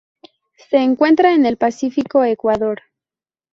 Se encuentra en el Pacífico: Ecuador.